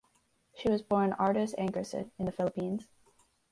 She was born Ardis Ankerson in the Philippines.